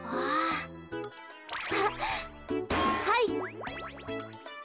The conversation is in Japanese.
はい。